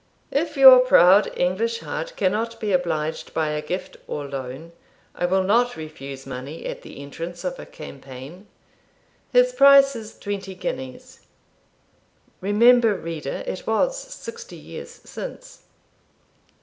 'If your proud English heart cannot be obliged by a gift or loan, I will not refuse money at the entrance of a campaign: his price is twenty guineas. [Remember, reader, it was Sixty Years Since.